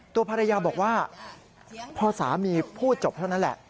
ตัวภรรยาบอกว่าพอสามีพูดจบเท่านั้นแหละ